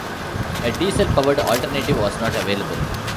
A diesel powered alternative was not available.